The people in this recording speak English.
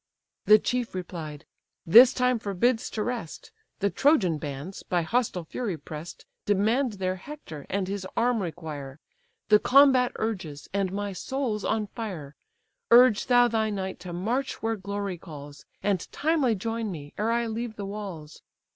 The chief replied: "This time forbids to rest; The Trojan bands, by hostile fury press'd, Demand their Hector, and his arm require; The combat urges, and my soul's on fire. Urge thou thy knight to march where glory calls, And timely join me, ere I leave the walls.